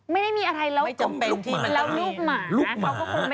ไม่ได้มีอะไรแล้วลูกหมา